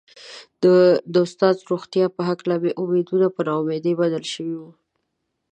د استاد د روغتيا په هکله مې امېدونه په نا اميدي بدل شوي وو.